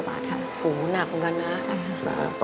โหหนักเหมือนกันนะ